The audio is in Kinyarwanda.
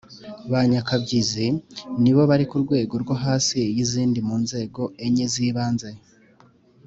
ba nyakabyizi, ni bo bari ku rwego rwo hasi y’izindi mu nzego enye z’ibanze